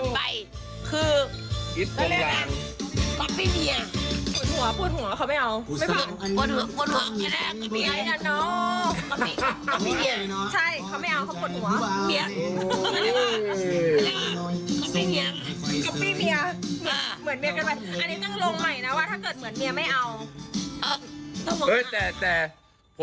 ดีหมดค่ะแต่สามีที่ฉันไม่เอาค่ะ